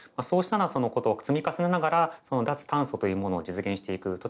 そうしたことを積み重ねながら脱炭素というものを実現していく